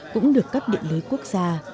cũng được cấp điện lưới quốc gia